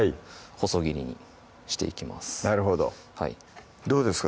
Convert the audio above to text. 細切りにしていきますなるほどはいどうですか？